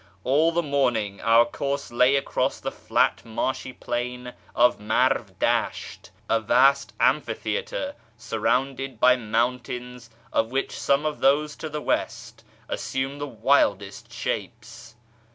All the morning our course lay across the Hat marshy plain of ]\Iarv Dasht — a vast amphitheatre, surrounded by mountains of which some of those to the west assume the wildest shapes.